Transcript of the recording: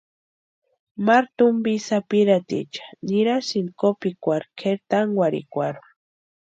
Maru tumpi sapirhatiecha nirasïnti kópikwarhu kʼeri tankwarhikwarhu.